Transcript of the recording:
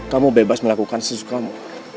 kamu bebas melakukan sesuatu kamu